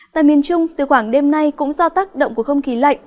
tại miền trung từ khoảng đêm nay cũng do tác động của không khí lạnh